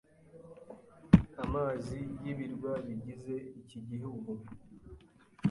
amazi y'ibirwa bigize iki gihugu,